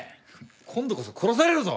今度こそ殺されるぞ！